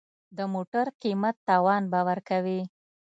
د موټر قیمت تاوان به ورکوې.